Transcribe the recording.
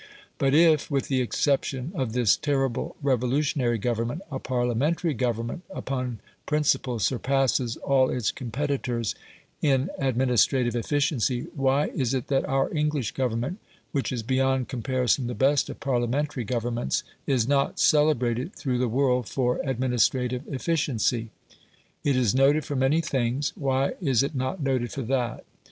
But if, with the exception of this terrible Revolutionary government, a Parliamentary government upon principle surpasses all its competitors in administrative efficiency, why is it that our English Government, which is beyond comparison the best of Parliamentary governments, is not celebrated through the world for administrative efficiency? It is noted for many things, why is it not noted for that?